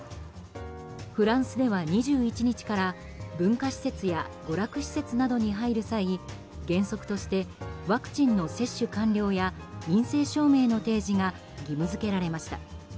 フランスでは２１日から文化施設や娯楽施設などに入る際原則としてワクチンの接種完了や陰性証明の提示が義務付けられました。